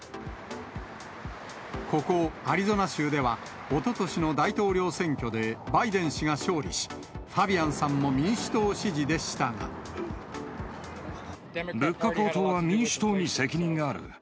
ここ、アリゾナ州では、おととしの大統領選挙でバイデン氏が勝利し、ファビアンさんも民物価高騰は民主党に責任がある。